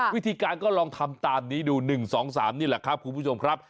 วิธีการก็ลองทำตามนี้ดู๑๒๓นี่แหละครับคุณผู้ชมครับ